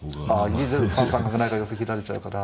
金出ると３三角成が寄せきられちゃうから。